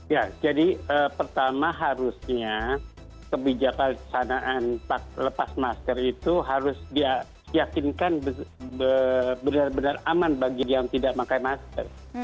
ya jadi pertama harusnya kebijakan sanaan lepas masker itu harus diyakinkan benar benar aman bagi yang tidak pakai masker